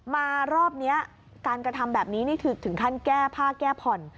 มารอบนี้การกระทำแบบนี้นี่คือถึงขั้นแก้ผ้าแก้ผ่อน